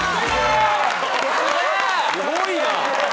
すごいな。